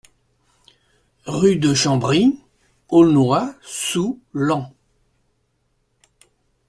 Rue de Chambry, Aulnois-sous-Laon